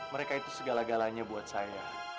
mereka itu segala galanya buat saya